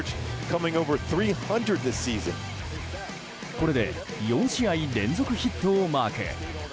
これで４試合連続ヒットをマーク。